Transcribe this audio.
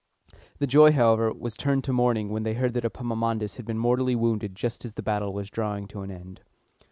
Their joy, however, was turned to mourning when they heard that Epaminondas had been mortally wounded just as the battle was drawing to an end.